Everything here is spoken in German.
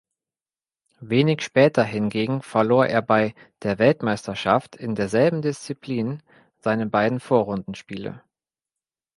Wenig später hingegen verlor er bei der Weltmeisterschaft in derselben Disziplin seine beiden Vorrundenspiele.